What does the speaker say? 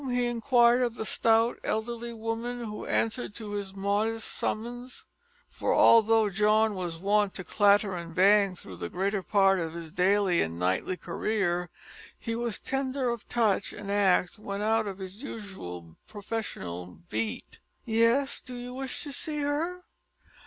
he inquired of the stout elderly woman who answered to his modest summons for although John was wont to clatter and bang through the greater part of his daily and nightly career, he was tender of touch and act when out of his usual professional beat. "Yes; do you wish to see her?"